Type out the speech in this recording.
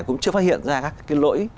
cũng chưa phát hiện ra các cái lỗi